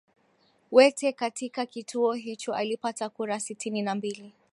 wete katika kituo hicho alipata kura sitini na mbili